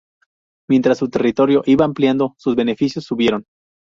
Mientras su territorio iba ampliando, sus beneficios subieron.